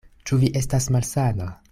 Ĉu vi estas malsana?